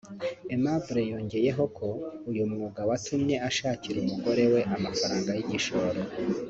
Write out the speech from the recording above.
Aimable yongeyeho ko uyu mwuga watumye ashakira umugore we amafaranga y’igishoro